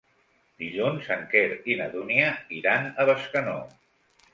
Dilluns en Quer i na Dúnia iran a Bescanó.